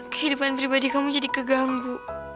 kehidupan pribadi kamu jadi kegambu